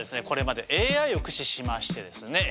これまでＡＩを駆使しましてですね